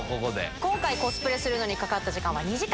今回、コスプレするのにかかった時間は２時間。